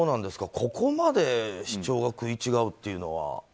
ここまで主張が食い違うっていうのは。